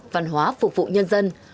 văn hóa phục vụ nhân dân